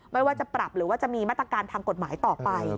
ไม่ว่าจะปรับหรือว่าจะมีมาตรการทางกฎหมายต่อไป